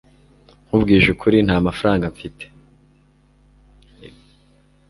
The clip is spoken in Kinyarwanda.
nkubwije ukuri, ntamafaranga mfite